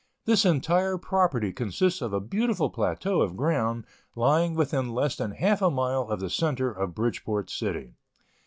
This entire property consists of a beautiful plateau of ground, lying within less than half a mile of the centre of Bridgeport city.